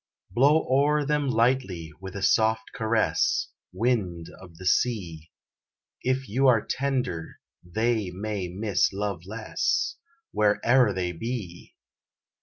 Blow o'er them lightly with a soft caress, Wind of the sea, If you are tender they may miss love less Where e'er they be.